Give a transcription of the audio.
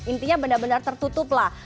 intinya benar benar tertutup lah